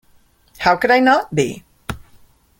How could I not be?